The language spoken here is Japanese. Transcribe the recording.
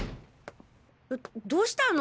どうしたの？